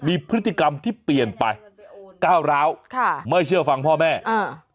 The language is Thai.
มีพฤติกรรมที่เปลี่ยนไปก้าวร้าวค่ะไม่เชื่อฟังพ่อแม่อ่า